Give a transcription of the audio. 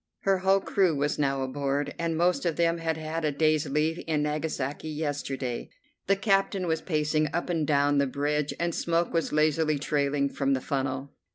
Her whole crew was now aboard, and most of them had had a day's leave in Nagasaki yesterday. The captain was pacing up and down the bridge, and smoke was lazily trailing from the funnel.